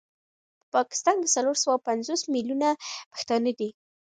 په پاکستان کي څلور سوه پنځوس مليونه پښتانه دي